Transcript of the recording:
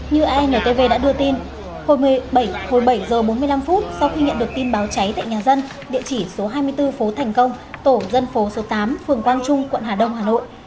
như antv đã đưa tin hồi bảy h bốn mươi năm phút sau khi nhận được tin báo cháy tại nhà dân địa chỉ số hai mươi bốn phố thành công tổ dân phố số tám phường quang trung quận hà đông hà nội